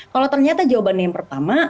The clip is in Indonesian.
kalau ternyata jawabannya yang pertama